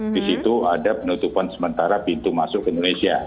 di situ ada penutupan sementara pintu masuk ke indonesia